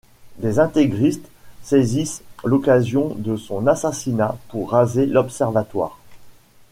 Des intégristes saisissent l'occasion de son assassinat pour raser l'observatoire.